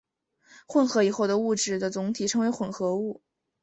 混合以后的物质的总体称作混合物。